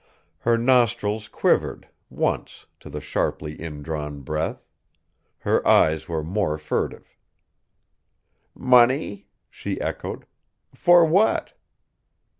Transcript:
Her nostrils quivered, once, to the sharply indrawn breath. Her eyes were more furtive. "Money?" she echoed. "For what?"